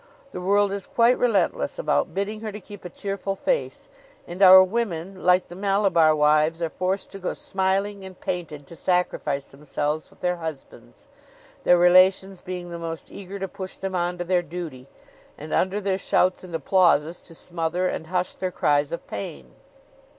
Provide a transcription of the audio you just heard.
The world is quite relentless about bidding her to keep a cheerful face; and our women, like the Malabar wives, are forced to go smiling and painted to sacrifice themselves with their husbands; their relations being the most eager to push them on to their duty, and, under their shouts and applauses, to smother and hush their cries of pain.